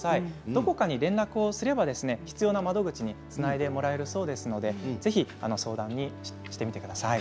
どこかに連絡をすれば必要な窓口につないでもらえるそうですのでぜひ相談してみてください。